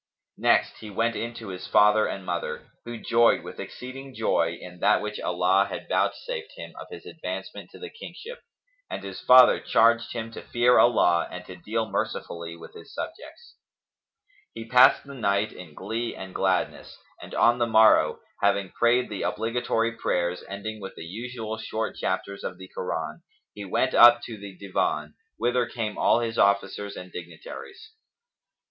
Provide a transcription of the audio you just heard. Next he went in to his father and mother, who joyed with exceeding joy in that which Allah had vouchsafed him of his advancement to the kingship, and his father charged him to fear Allah and to deal mercifully with his subjects. He passed the night in glee and gladness, and on the morrow, having prayed the obligatory prayers ending with the usual short chapters[FN#277] of the Koran, he went up to the Divan, whither came all his officers and dignitaries.